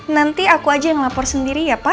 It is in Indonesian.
nanti aku aja yang lapor sendiri ya pak